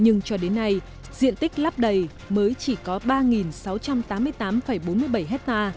nhưng cho đến nay diện tích lắp đầy mới chỉ có ba sáu trăm tám mươi tám bốn mươi bảy ha